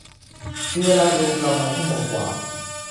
มีเวลาดูประมาณชั่วโมงกว่า